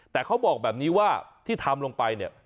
แต่เขาบอกแบบนี้ว่าที่ทำลงไปเนี่ย